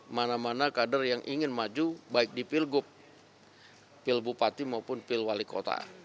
mana mana kader yang ingin maju baik di pilgub pil bupati maupun pilwali kota